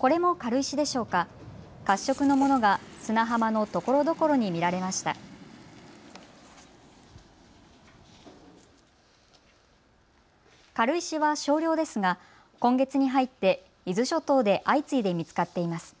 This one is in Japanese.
軽石は少量ですが今月に入って伊豆諸島で相次いで見つかっています。